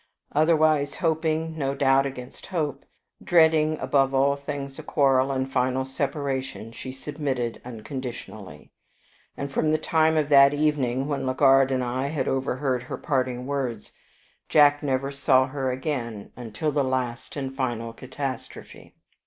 Otherwise hoping, no doubt against hope, dreading above all things a quarrel and final separation, she submitted unconditionally. And from the time of that evening, when Legard and I had overheard her parting words, Jack never saw her again until the last and final catastrophe.